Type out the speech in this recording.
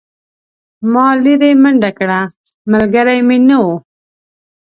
ما لیرې منډه کړه ملګری مې نه و.